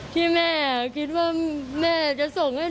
ที่แม่อ่ะคิดว่าแม่จะส่งให้หนูเรียน